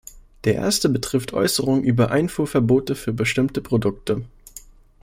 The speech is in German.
Der erste betrifft Äußerungen über Einfuhrverbote für bestimmte Produkte.